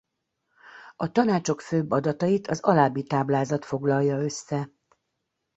A tanácsok főbb adatait az alábbi táblázat foglalja össze.